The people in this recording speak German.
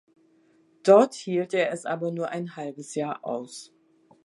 Dort hielt er es aber nur ein halbes Jahr aus.